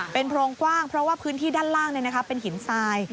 เป็นโพรงกว้างเพราะว่าพื้นที่ด้านล่างเป็นหินทราย